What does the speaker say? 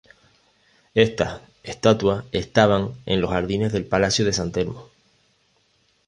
Estas estatuas estaban en los jardines del palacio de San Telmo.